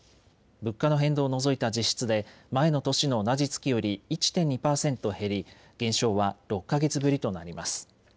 物価の変動を除いた実質で前の年の同じ月より１．２％減り減少は６か月ぶりとなります。